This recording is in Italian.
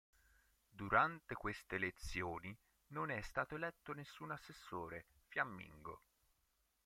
Durante queste elezioni non è stato eletto nessun assessore fiammingo.